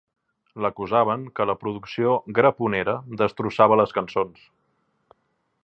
L'acusaven que la producció graponera destrossava les cançons.